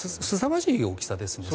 すさまじい大きさです。